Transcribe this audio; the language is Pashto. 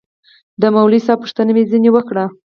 د مولوي صاحب پوښتنه مې ځنې وكړه.